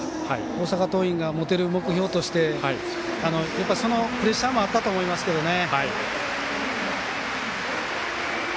大阪桐蔭が持ってる目標としてそのプレッシャーもあったと思いますけどね。